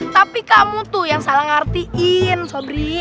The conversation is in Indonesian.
tapi kamu tuh yang salah ngartiin sobri